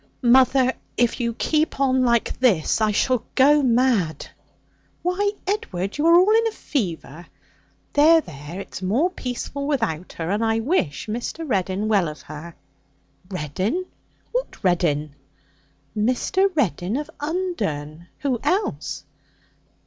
'Mother! If you keep on like this, I shall go mad.' 'Why, Edward, you are all in a fever. There, there! It's more peaceful without her, and I wish Mr. Reddin well of her.' 'Reddin? What Reddin?' 'Mr. Reddin of Undern. Who else?'